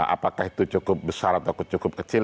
apakah itu cukup besar atau cukup kecil